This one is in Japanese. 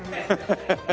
ハハハハ。